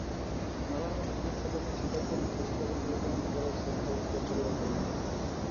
নারায়ণগঞ্জে তিন শতাধিক শীতার্তের মধ্যে শীতবস্ত্র বিতরণ করেছে কোস্টগার্ড পরিবার কল্যাণ সংঘ।